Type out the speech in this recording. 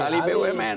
diambil dari bumn